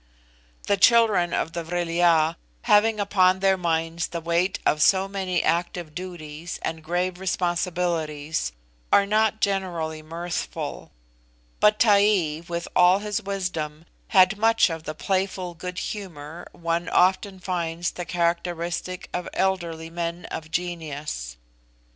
The children of the Vril ya, having upon their minds the weight of so many active duties and grave responsibilities, are not generally mirthful; but Taee, with all his wisdom, had much of the playful good humour one often finds the characteristic of elderly men of genius.